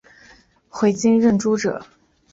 回京任谒者。